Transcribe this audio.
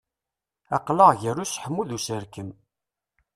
Aql-aɣ gar useḥmu d userkem.